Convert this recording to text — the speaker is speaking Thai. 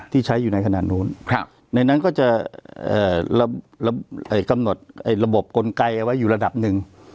ที่ใช้อยู่ในขณะนู้นในนั้นก็จะกำหนดระบบกลไกเอาไว้อยู่ระดับหนึ่ง